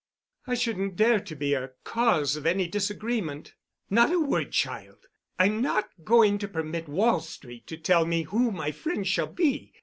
"I shouldn't dare to be a cause of any disagreement——" "Not a word, child. I'm not going to permit Wall Street to tell me who my friends shall be.